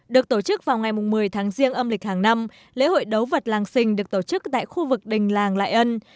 được tổ chức vào ngày một mươi tháng riêng âm lịch hàng năm lễ hội đấu vật làng sình được tổ chức tại khu vực đình làng lại ân